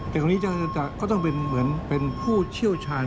ท่านก็ต้องเป็นพูดชเชี่ยวชาญ